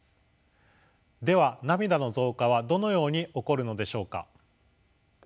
では涙の増加はどのように起こるのでしょうか。